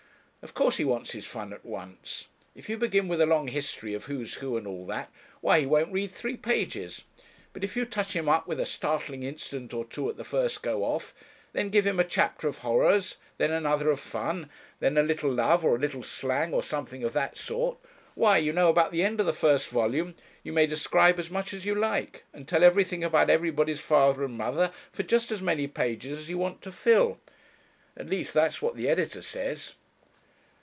Of course he wants his fun at once. If you begin with a long history of who's who and all that, why he won't read three pages; but if you touch him up with a startling incident or two at the first go off, then give him a chapter of horrors, then another of fun, then a little love or a little slang, or something of that sort, why, you know, about the end of the first volume, you may describe as much as you like, and tell everything about everybody's father and mother for just as many pages as you want to fill. At least that's what the editor says.'